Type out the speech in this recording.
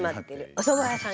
おそば屋さん